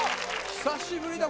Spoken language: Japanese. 久しぶりだ